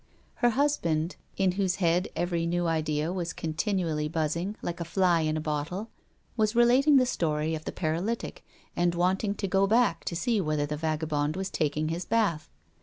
Her husband, in whose head every new idea was continually buzzing, like a fly in a bottle, was relating the story of the paralytic, and wanted to go back to see whether the vagabond was taking his bath.